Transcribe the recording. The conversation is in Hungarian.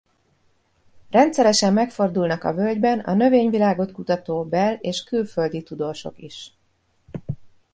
Rendszeresen megfordulnak a völgyben a növényvilágot kutató bel- és külföldi tudósok is.